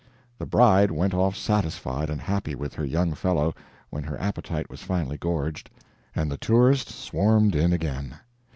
The bride went off satisfied and happy with her young fellow, when her appetite was finally gorged, and the tourists swarmed in again.